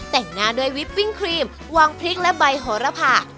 แต่งหน้าด้วยวิปปิ้งครีมวางพริกและใบโหระผ่า